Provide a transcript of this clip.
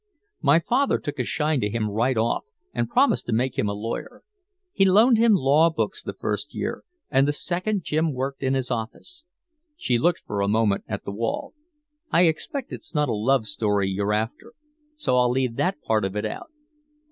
"My father took a shine to him right off and promised to make him a lawyer. He loaned him law books the first year, and the second Jim worked in his office." She looked for a moment at the wall. "I expect it's not a love story you're after so I'll leave that part of it out.